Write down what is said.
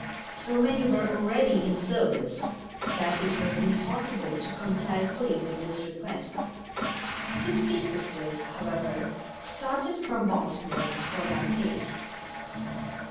So many were already in service that it was impossible to comply fully with this request. Sixty Sisters, however, started from Baltimore for that place.